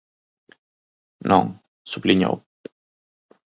Non, subliñou.